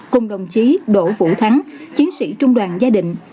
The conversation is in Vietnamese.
cùng đồng chí đỗ vũ thắng chiến sĩ trung đoàn gia đình